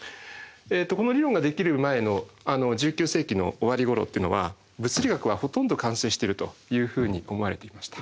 この理論ができる前の１９世紀の終わり頃っていうのは物理学はほとんど完成してるというふうに思われていました。